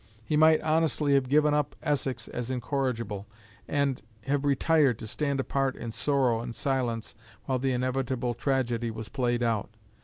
He might honestly have given up Essex as incorrigible, and have retired to stand apart in sorrow and silence while the inevitable tragedy was played out.